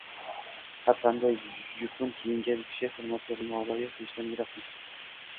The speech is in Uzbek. Har qalay, yupun keyingan kishi hurmatga noloyiq deyishdan yiroqmiz